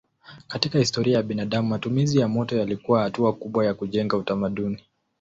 Katika historia ya binadamu matumizi ya moto yalikuwa hatua kubwa ya kujenga utamaduni.